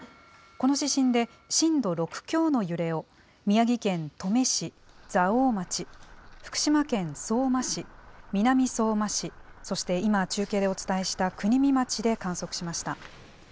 この地震で、震度６強の揺れを、宮城県登米市、蔵王町、福島県相馬市、南相馬市、そして今、中継でお伝えした国見町で観測しました。